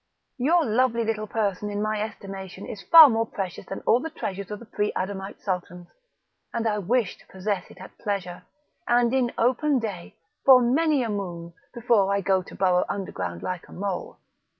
Your lovely little person in my estimation is far more precious than all the treasures of the pre adamite Sultans, and I wish to possess it at pleasure, and in open day, for many a moon, before I go to burrow underground like a mole.